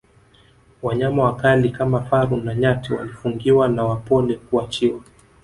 wanyama wakali kama faru na nyati walifungiwa na wapole kuachiwa